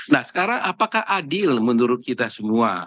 nah sekarang apakah adil menurut kita semua